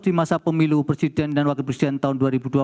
di masa pemilu presiden dan wakil presiden tahun dua ribu dua puluh